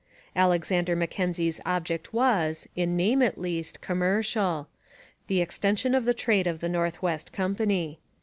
Alexander Mackenzie's object was, in name at least, commercial the extension of the trade of the North West Company.